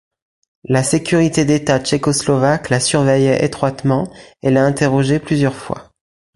La Sécurité d'État tchécoslovaque la surveillait étroitement et l’a interrogée plusieurs fois.